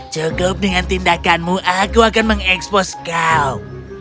cukup dengan tindakanmu aku akan mengekspos kau